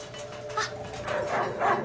あっ！